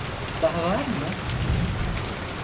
Daha var mı?